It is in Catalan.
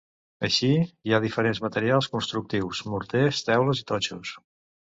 Així, hi ha diferents materials constructius: morters, teules i totxos.